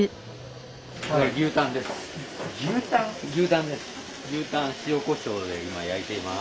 牛タンです。